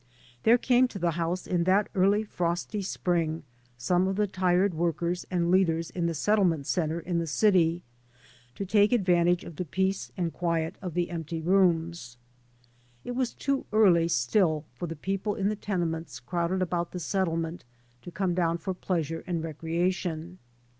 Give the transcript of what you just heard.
There came to the house in that early frosty spring some of the tired workers and leaders in the settlement centre in the city, to take advantage of the peace and quiet 3 by Google MY MOTHER AND I of the empty rooms. It was too early still for the people in the tenements crowded about the settlement, to come down for pleasure and recreation.